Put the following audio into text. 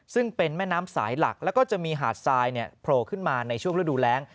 ซึ่งเป็นแม่น้ำสายหลักแล้วก็จะมีหาดทรายโผล่ขึ้นมาในช่วงฤดูแรง